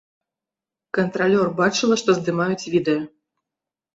Кантралёр бачыла, што здымаюць відэа.